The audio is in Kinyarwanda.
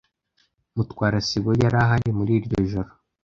Mutwara sibo yari ahari muri iryo joro.